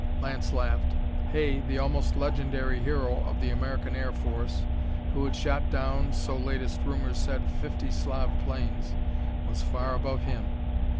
Lance laughed. Hay, the almost legendary hero of the American Air Force who had shot down, so latest rumors said, fifty Slav planes was far above him.